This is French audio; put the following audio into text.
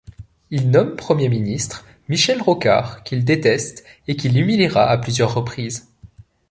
Il nomme Premier ministre Michel Rocard, qu'il déteste et qu'il humiliera à plusieurs reprises.